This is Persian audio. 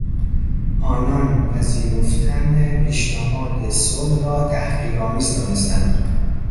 آنان پذیرفتن پیشنهاد صلح را تحقیرآمیز دانستند.